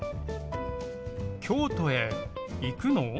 京都へ行くの？